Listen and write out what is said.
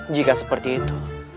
jika seperti itu